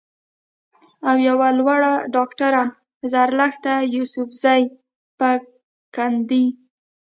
او يوه لورډاکټره زرلښته يوسفزۍ پۀ کنېډا